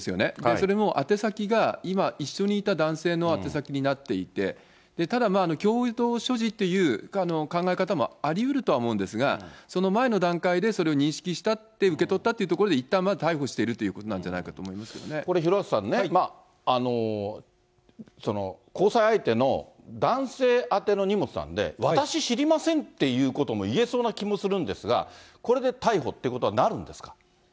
それも宛先が、今、一緒にいた男性の宛先になっていて、ただ、共同所持という考え方もありうるとは思うんですが、その前の段階でそれを認識した、で、受け取ったってところで、いったんは逮捕してるということなんじゃないかと思いますけれどこれ、廣畑さんね、交際相手の男性宛ての荷物なんで、私知りませんってことも言えそうな気もするんですが、これで逮捕ってことはなるんですか？